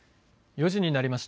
４時になりました。